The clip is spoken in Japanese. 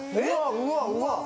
・うわうわ！